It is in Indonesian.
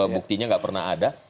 buktinya nggak pernah ada